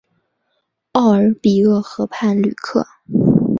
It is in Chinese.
奥尔比厄河畔吕克。